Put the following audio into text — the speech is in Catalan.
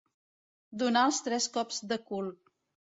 Donar els tres cops de cul.